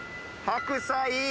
白菜。